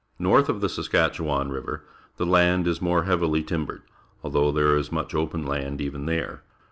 North of the Saskatchewan RiA'er, the land is more hea^'ih^ timbered, although there is much open land even there.